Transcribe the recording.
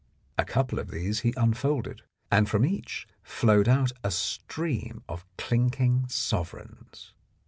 A couple of these he unfolded, and from each flowed out a stream of clinking sovereigns.